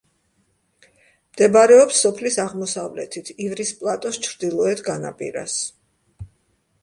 მდებარეობს სოფლის აღმოსავლეთით, ივრის პლატოს ჩრდილოეთ განაპირას.